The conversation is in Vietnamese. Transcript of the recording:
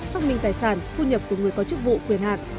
xác minh tài sản thu nhập của người có chức vụ quyền hạn